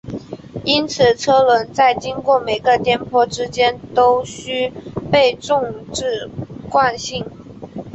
因此车轮在经过每个颠簸之前都须被重置惯性。